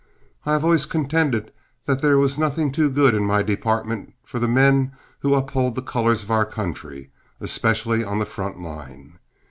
I have always contended that there was nothing too good in my department for the men who uphold the colors of our country, especially on the front line.